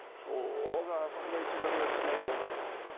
普通はあそこの位置取りはしないと思う。